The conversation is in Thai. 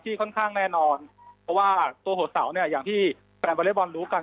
ค่อนข้างแน่นอนเพราะว่าตัวหัวเสาเนี่ยอย่างที่แฟนวอเล็กบอลรู้กัน